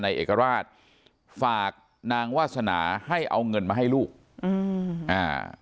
เอกราชฝากนางวาสนาให้เอาเงินมาให้ลูกอืมอ่า